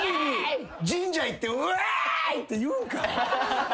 神社行って「いやああい！」って言うんか？